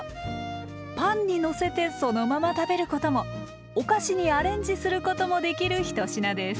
パンにのせてそのまま食べることもお菓子にアレンジすることもできる１品です。